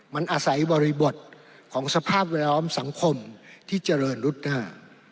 มันอาศัยบริบทของสภาพแวดล้อมสังคมที่เจริญรุดหน้า